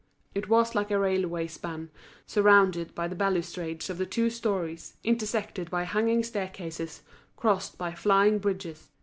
It was like a railway span, surrounded by the balustrades of the two storeys, intersected by hanging staircases, crossed by flying bridges.